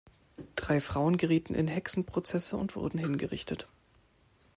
Drei Frauen gerieten in Hexenprozesse und wurden hingerichtet.